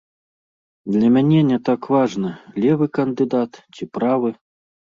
Для мяне не так важна, левы кандыдат ці правы.